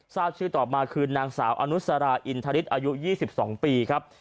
ทราบชื่อต่อมาคือนางสาวอนุสราอินทริสอายุ๒๒ปีครับ